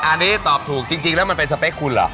อันนี้ตอบถูกจริงแล้วมันเป็นสเปคคุณเหรอ